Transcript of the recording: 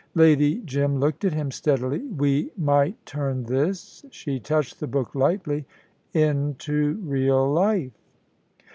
Lady Jim looked at him steadily. "We might turn this" she touched the book lightly "into real life."